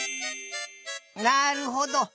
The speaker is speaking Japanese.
なるほど。